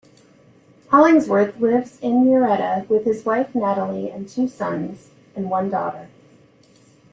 Hollingsworth lives in Murrieta with his wife, Natalie, and two sons and one daughter.